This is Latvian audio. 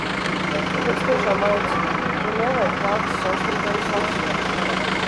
Tāpēc tiešām aicinu: nu, nevajag tādus savstarpējus asumus!